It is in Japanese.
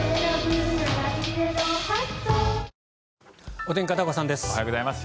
お天気、片岡さんです。